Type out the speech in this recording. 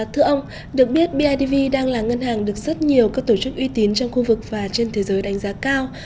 thưa ông được biết bidv đang là ngân hàng được rất nhiều các tổ chức uy tín trong khu vực và trên thế giới đánh giá cao